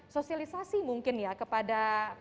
sosialisasi mungkin ya kepada